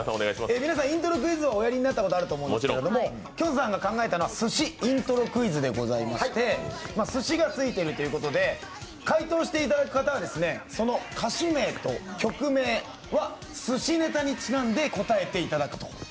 皆さん、イントロクイズはおやりになったことあると思いますけれどもきょんさんが考えたのはすしイントロクイズでございましてすしがついているということで回答していただく方はその歌手名と曲名はすしネタにちなんで答えていただく。